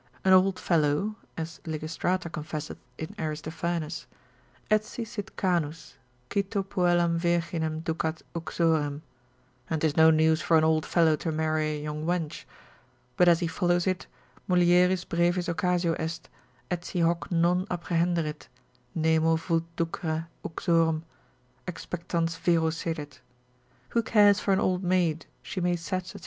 An old fellow, as Lycistrata confesseth in Aristophanes, etsi sit canus, cito puellam virginem ducat uxorem, and 'tis no news for an old fellow to marry a young wench: but as he follows it, mulieris brevis occasio est, etsi hoc non apprehenderit, nemo vult ducere uxorem, expectans vero sedet; who cares for an old maid? she may set, &c.